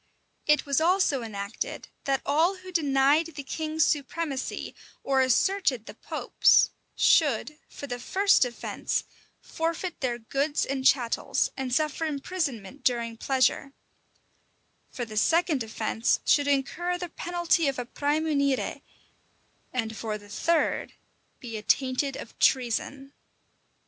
It was also enacted, that all who denied the king's supremacy, or asserted the pope's, should, for the first offence, forfeit their goods and chattels, and suffer imprisonment during pleasure; for the second offence, should incur the penalty of a "præmunire;" and for the third, be attainted of treason.